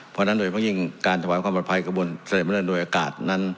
เพราะฉะนั้นโดยเพราะยิ่งการถวายความปลอดภัยกระบวนเสด็จมาเลิศโดยอากาศนั้น